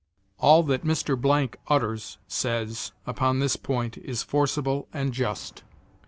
All that Mr. utters [says] upon this point is forcible and just.